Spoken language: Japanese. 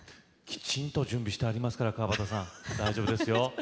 きちんと準備してありますから川畑さん大丈夫ですよ。